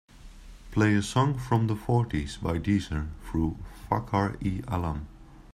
Play a song from the fourties by Deezer through Fakhar-e-alam.